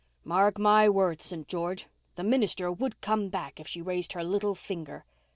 Mark my words, St. George, the minister would come back if she raised her little finger.